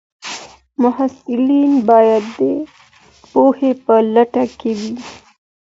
محصلین باید د پوهي په لټه کي وي.